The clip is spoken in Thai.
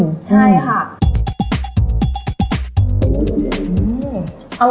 ใช่ค่ะ